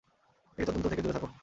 এই তদন্ত থেকে দূরে থাক।